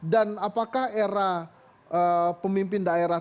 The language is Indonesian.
dan apakah era pemimpin daerah tampil ke pemimpin daerah